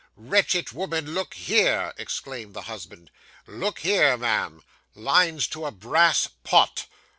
'Wretched woman, look here,' exclaimed the husband. 'Look here, ma'am "Lines to a Brass Pot."